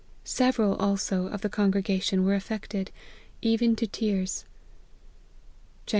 Several, also, of the congregation were affected, even to tears." "Jan.